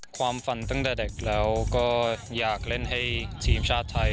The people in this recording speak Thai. ความฝันตั้งแต่เด็กแล้วก็อยากเล่นให้ทีมชาติไทย